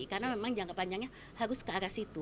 karena memang jangka panjangnya harus ke arah situ